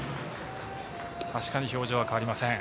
確かに表情は変わりません。